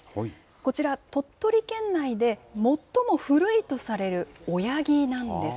こちら、鳥取県内で最も古いとされる親木なんです。